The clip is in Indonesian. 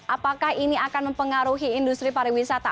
apakah ini akan mempengaruhi industri pariwisata